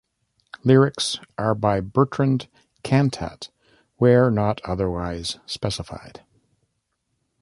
Lyrics are by Bertrand Cantat, where not otherwise specified.